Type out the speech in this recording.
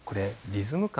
リズム感。